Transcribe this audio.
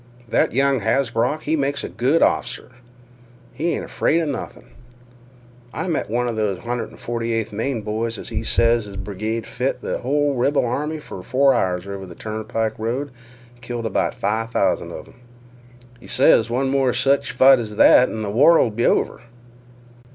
"That young Hasbrouck, he makes a good off'cer. He ain't afraid 'a nothin'." "I met one of th' 148th Maine boys an' he ses his brigade fit th' hull rebel army fer four hours over on th' turnpike road an' killed about five thousand of 'em. He ses one more sech fight as that an' th' war 'll be over."